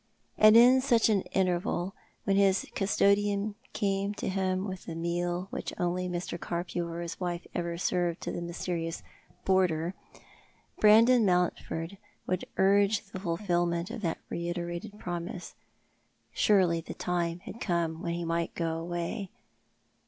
And in such an interval, when his custodian came to him with the meal which only Mr. Carpcw or his wife ever served to the mysterious "boarder," Brandon Mount ford would urge the fulfilment of that reiterated promise. Surely the time had come when he might go away.